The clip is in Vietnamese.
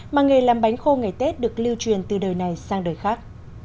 mà nghề làm bánh khô ngày tết được lưu truyền từ đời này sang đời khác